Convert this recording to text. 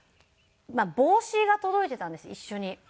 帽子が届いていたんです一緒に。